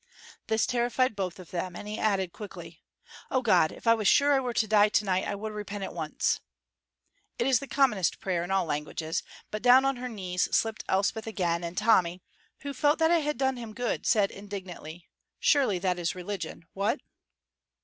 This terrified both of them, and he added, quickly: "Oh, God, if I was sure I were to die to night I would repent at once." It is the commonest prayer in all languages, but down on her knees slipped Elspeth again, and Tommy, who felt that it had done him good, said indignantly: "Surely that is religion. What?"